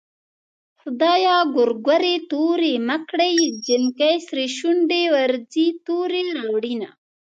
خدايه ګورګورې تورې مه کړې جنکۍ سرې شونډې ورځي تورې راوړينه